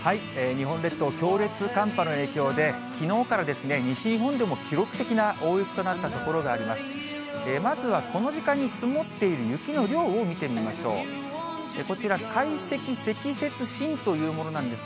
日本列島、強烈寒波の影響で、きのうから西日本でも記録的な大雪となった所があります。